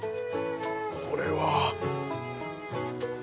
これは。